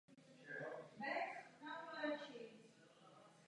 Střecha hlediště má kruhový tvar.